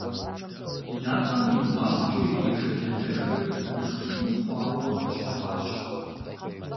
И натӀэм и бгъуагъкӀэ ирижэ лэдэхыр нэхъ ин хъуауэ къыщыхъуащ.